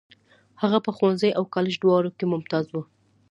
هغه په ښوونځي او کالج دواړو کې ممتاز و.